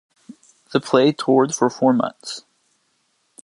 The play toured for four months.